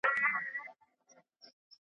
چیري چي زور وي د جاهلانو .